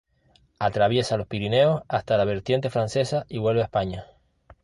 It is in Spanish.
Atraviesa los Pirineos hasta la vertiente francesa, y vuelve a España.